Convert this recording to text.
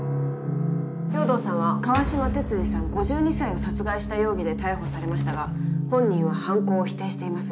兵藤さんは川島鉄二さん５２歳を殺害した容疑で逮捕されましたが本人は犯行を否定しています。